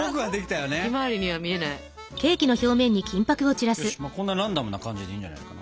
よしこんなランダムな感じでいいんじゃないかな。